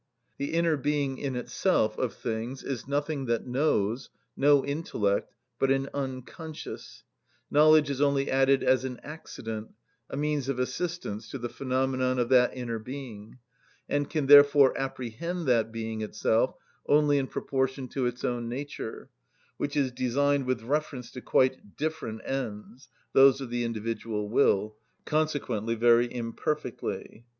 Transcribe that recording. The inner being in itself of things is nothing that knows, no intellect, but an unconscious; knowledge is only added as an accident, a means of assistance to the phenomenon of that inner being, and can therefore apprehend that being itself only in proportion to its own nature, which is designed with reference to quite different ends (those of the individual will), consequently very imperfectly.